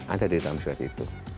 ada di dalam surat itu